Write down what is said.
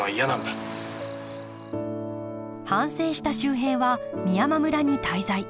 反省した秀平は美山村に滞在。